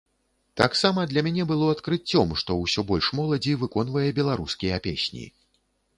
Таксама для мяне было адкрыццём, што ўсё больш моладзі выконвае беларускія песні.